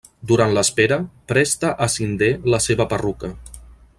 Durant l'espera, presta a Sin-Dee la seva perruca.